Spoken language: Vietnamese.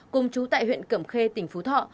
cùng chú tại huyện cẩm khê tỉnh phú thọ